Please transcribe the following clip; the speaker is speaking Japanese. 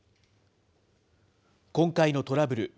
今回のトラブル。